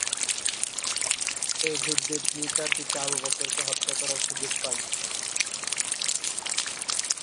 এ যুদ্ধে তিনি তাঁর পিতা আবু বকরকে হত্যা করার সুযোগ পান।